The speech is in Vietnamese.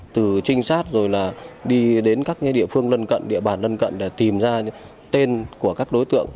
từ trinh sát rồi là đi đến các địa phương lân cận địa bàn lân cận để tìm ra những tên của các đối tượng